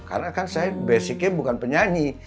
karena kan saya basicnya bukan penyanyi